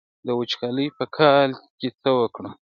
د وچکالۍ په کال کې څه وکړم؟